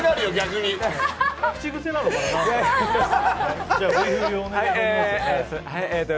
口癖なのかなって。